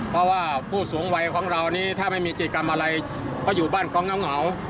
เพราะว่าผู้สูงวัยของเรานี้ถ้าไม่มีจิตกรรมอะไรก็อยู่บ้านเขาเหงา